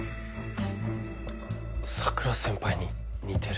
桜先輩に似てる。